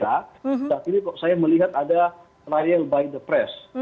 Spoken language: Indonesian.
saat ini kok saya melihat ada trial by the press